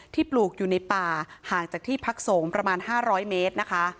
ปลูกอยู่ในป่าห่างจากที่พักสงฆ์ประมาณ๕๐๐เมตรนะคะ